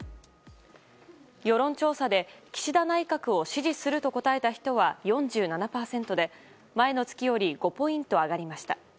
世論調査で岸田内閣を支持すると答えた人は４７％で前の月より５ポイント上がりました。